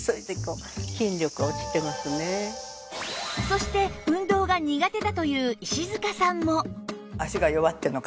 そして運動が苦手だという石塚さんも